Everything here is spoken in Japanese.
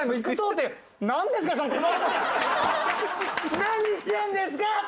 何してんですかって！